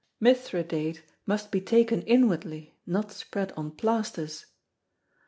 Mithridate must be taken inwardly, not spread on plasters.